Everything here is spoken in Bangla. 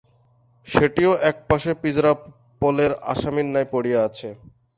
সেটিও একপাশে পিজরাপোলের আসামীর ন্যায় পড়িয়া আছে।